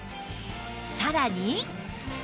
さらに